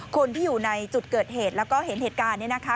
คนที่อยู่ในจุดเกิดเหตุแล้วก็เห็นเหตุการณ์นี้นะคะ